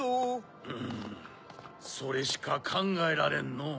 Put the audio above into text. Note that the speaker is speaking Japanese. うんそれしかかんがえられんのう。